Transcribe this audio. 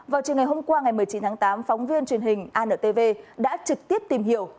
vào chiều ngày hôm qua ngày một mươi chín tháng tám phóng viên truyền hình antv đã trực tiếp tìm hiểu